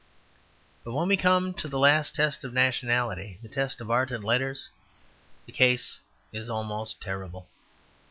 But when we come to the last test of nationality, the test of art and letters, the case is almost terrible.